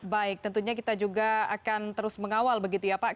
baik tentunya kita juga akan terus mengawal begitu ya pak